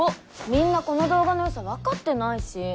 みんなこの動画の良さ分かってないし。